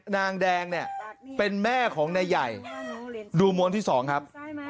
นางแดงเนี่ยเป็นแม่ของนายใหญ่ดูมวลที่๒ครับ